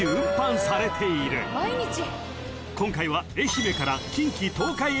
［今回は］